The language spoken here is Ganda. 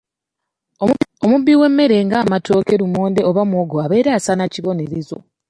"Omubbi w’emmere ng’amatooke, lumonde oba muwogo abeera asaana kibonerezo."